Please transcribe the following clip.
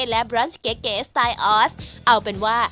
ไม่มีครับผม